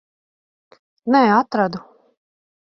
Nē, atradu.